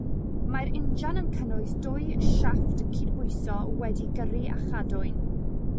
Mae'r injan yn cynnwys dwy siafft cydbwyso wedi'u gyrru â chadwyn.